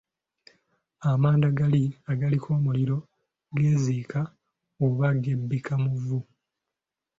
Amanda gali agaliko omuliro geeziika oba geebikka mu vvu.